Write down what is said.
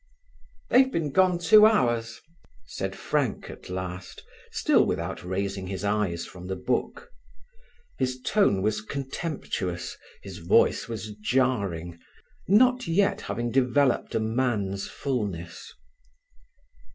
"They've been gone two hours," said Frank at last, still without raising his eyes from his book. His tone was contemptuous, his voice was jarring, not yet having developed a man's fullness.